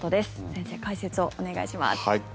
先生、解説をお願いします。